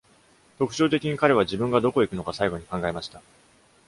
特徴的に彼は自分がどこへ行くのか最後に考えました。